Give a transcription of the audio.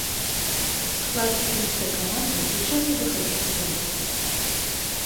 У складзе пінскай каманды звычайна выхадзіў на замену.